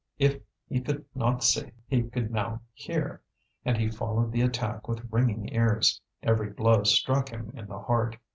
If he could not see, he could now hear, and he followed the attack with ringing ears; every blow struck him in the heart.